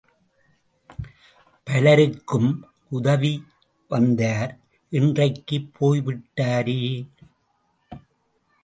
பலருக்கும் உதவி வந்தார் இன்றைக்குப் போய்விட்டாரே!